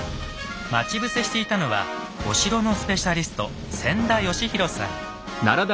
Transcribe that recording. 待ち伏せしていたのはお城のスペシャリスト千田嘉博さん。